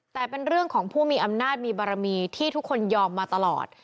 แต่เป็นเรื่องของผู้มีอำนาจมีบารมีที่ทุกคนยอมมาตลอด